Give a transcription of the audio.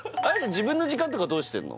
自分の時間とかどうしてんの？